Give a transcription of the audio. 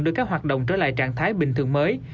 đưa các hoạt động trở lại trạng thái bình thường mới